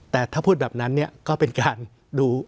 แต่ถ้าพูดแบบนั้นเนี่ยก็เป็นการดู